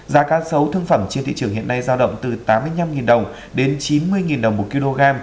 giá cá sấu thương phẩm trên thị trường hiện nay giao động từ tám mươi năm đồng đến chín mươi đồng một kg